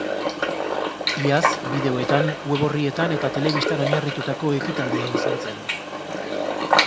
Iaz, bideoetan, web orrietan eta telebistan oinarritutako ekitaldia izan zen.